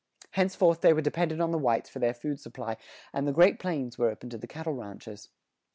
Henceforth they were dependent on the whites for their food supply, and the Great Plains were open to the cattle ranchers.